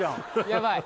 ヤバい